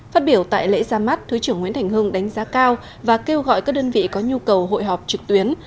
phát biểu tại lễ ra mắt thứ trưởng nguyễn thành hưng đánh giá cao và kêu gọi các đơn vị có nhu cầu hội họp trực tuyến